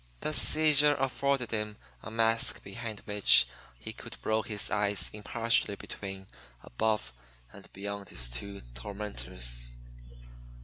The seizure afforded him a mask behind which he could roll his eyes impartially between, above, and beyond his two tormentors.